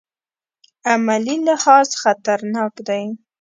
عملي لحاظ خطرناک دی.